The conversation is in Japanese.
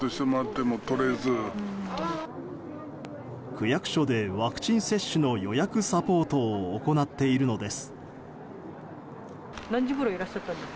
区役所でワクチン接種の予約サポートを行っているのです。